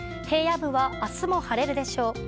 平野部は明日も晴れるでしょう。